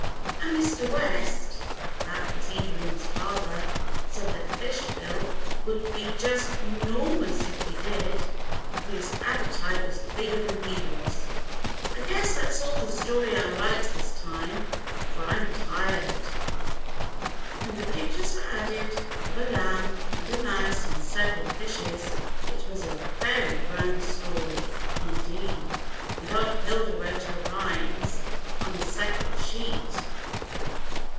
"And Mr. West, that was Evelyn's father, said the fish bill would be just 'normous if we did, for his ap petite was bigger than he was. I guess that's all the story I'll write this time, for I'm tired." When the pictures were added, of a lamb and a mouse and several fishes, it was a very grand story, indeed, and Aunt Hilda wrote her rhymes on a sepa rate sheet.